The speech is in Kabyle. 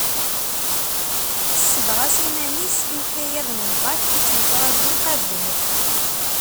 Tessebɣas iman-is i ukayad n lbak i tt-yettraǧun qabel.